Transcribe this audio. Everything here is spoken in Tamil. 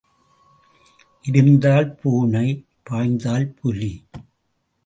இருந்தால் பூனை பாய்ந்தால் புலி.